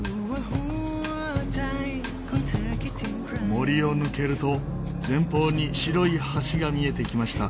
森を抜けると前方に白い橋が見えてきました。